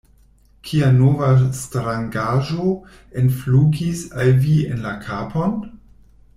Kia nova strangaĵo enflugis al vi en la kapon?